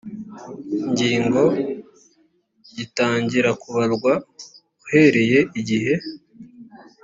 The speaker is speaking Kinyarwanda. ngingo gitangira kubarwa uhereye igihe